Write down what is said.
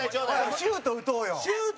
シュート打とうよ。